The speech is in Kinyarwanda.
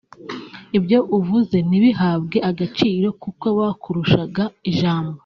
ibyo uvuze ntibihabwe agaciro kuko bakurushaga ijambo